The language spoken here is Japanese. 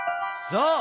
そう！